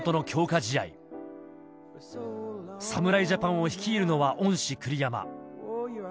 試合侍ジャパンを率いるのは恩師